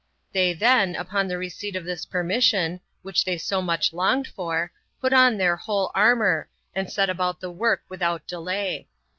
They then, upon the receipt of this permission, which they so much longed for, put on their whole armor, and set about the work without delay.